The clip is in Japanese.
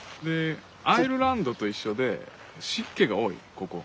アイルランドと一緒で湿気が多いここ。